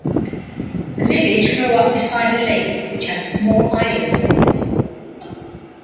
The village grew up beside a lake, which has a small island on it.